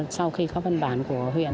sau khi khắc văn bản của huyện